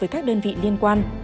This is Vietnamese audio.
phối hợp với các đơn vị liên quan